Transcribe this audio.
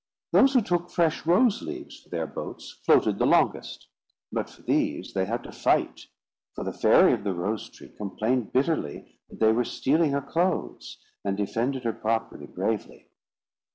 Those who took fresh rose leaves for their boats floated the longest; but for these they had to fight; for the fairy of the rose tree complained bitterly that they were stealing her clothes, and defended her property bravely.